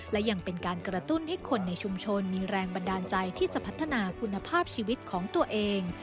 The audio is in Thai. และยังเป็นการกระตุ้นให้คนในชุมชนมีแรงบันดาลใจที่จะพัฒนาคุณภาพชีวิตของตัวเอง